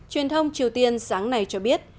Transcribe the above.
truyền thông triều tiên sáng nay cho biết